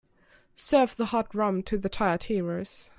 Serve the hot rum to the tired heroes.